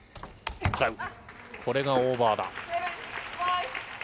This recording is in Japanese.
これがオーバーだ。